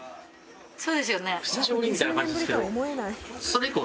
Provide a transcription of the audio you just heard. そうですよね？